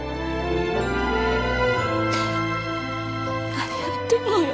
何やってんのよ。